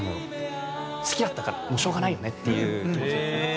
好きだったからしょうがないよねっていう気持ちですね。